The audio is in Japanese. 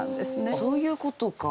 そういうことか。